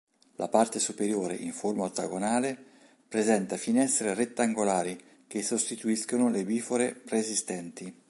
La parte superiore in forma ottagonale, presenta finestre rettangolari, che sostituiscono le bifore preesistenti.